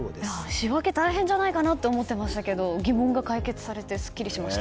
仕分け、大変じゃないかなと思っていましたけど疑問が解決されてすっきりしました。